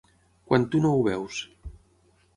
Quan tu no ho veus.